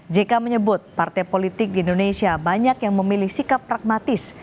jk menyebut partai politik di indonesia banyak yang memilih sikap pragmatis